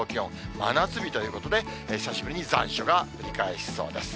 真夏日ということで、久しぶりに残暑がぶり返しそうです。